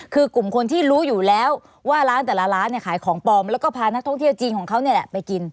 คือกลุ่มคนที่รู้อยู่แล้วว่าร้านแต่ละร้านเนี่ยขายของปลอมแล้วก็พานักท่องเที่ยวจีนของเขานี่แหละไปกิน